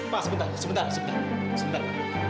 pak sebentar sebentar sebentar